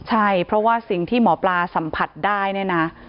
ใช่เพราะว่าสิ่งที่หมอปลาสัมผัสได้เนี่ยนะ